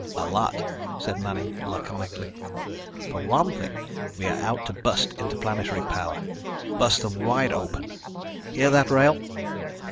"A lot," said Manning laconically. "For one thing we are out to bust Interplanetary Power. Bust them wide open. Hear that, Wrail?"